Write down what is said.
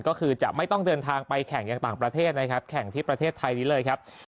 ก็คือจะไม่ต้องเดินทางไปแข่งอย่างต่างประเทศนะครับแข่งที่ประเทศไทยนี้เลยครับ